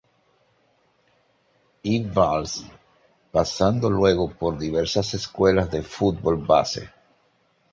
E. Valls, pasando luego por diversas escuelas de fútbol base.